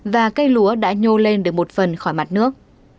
và cây lúa đã nhô lên được một phần khỏi mặt nước